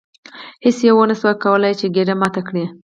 هیڅ یوه ونشوای کولی چې ګېډۍ ماته کړي.